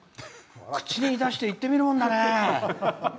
口に出して言っみるもんだね。